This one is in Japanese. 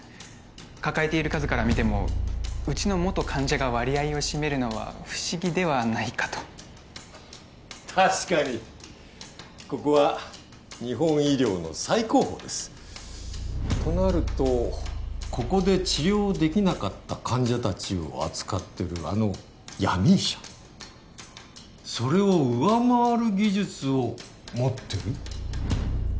抱えている数からみてもうちの元患者が割合を占めるのは不思議ではないかと確かにここは日本医療の最高峰ですとなるとここで治療できなかった患者達を扱ってるあの闇医者それを上回る技術を持ってる？